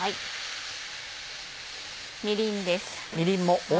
みりんです。